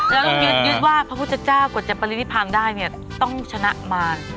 แล้วลุงยืดว่าพระพุทธจ้ากว่าจะปริฤทธิ์ที่พังได้เนี่ยต้องชนะมา